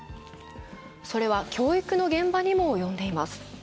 それは教育の現場にも及んでいます。